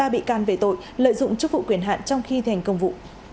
ba bị can về tội lợi dụng chức vụ quyền hạn trong khi thành công vụ